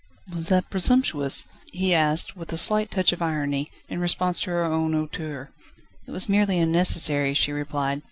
"Was that presumptuous?" he asked, with a slight touch of irony, in response to her own hauteur. "It was merely unnecessary," she replied.